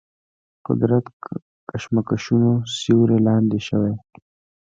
قدرت کشمکشونو سیوري لاندې شوي.